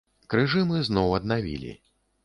Крыжы мы зноў аднавілі.